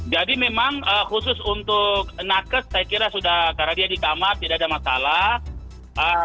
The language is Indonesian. jadi memang khusus untuk nages saya kira sudah karena dia di kamar tidak ada masalah